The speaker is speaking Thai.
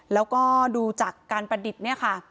แล้วก็ดูจากการประดิษฐ์